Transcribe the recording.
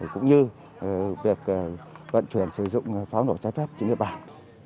cũng như việc vận chuyển sử dụng pháo nổ trái phép trên địa bàn